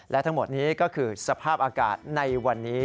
และทั้งหมดนี้ก็คือสภาพอากาศในวันนี้